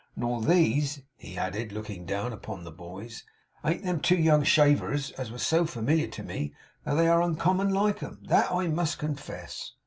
Nor these,' he added, looking down upon the boys, 'ain't them two young shavers as was so familiar to me; though they are uncommon like 'em. That I must confess.